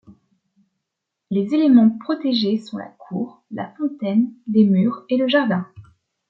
Les éléments protégés sont la cour, la fontaine, les murs et le jardin.